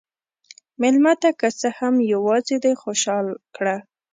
مېلمه ته که څه هم یواځې دی، خوشحال کړه.